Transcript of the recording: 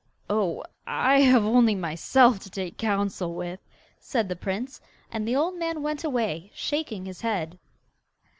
'Oh, I have only myself to take counsel with,' said the prince, and the old man went away, shaking his head.